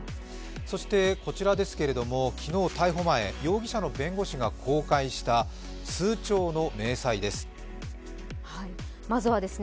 そしてこちらですけど、昨日、逮捕前容疑者の弁護士が公開した通帳の明細です。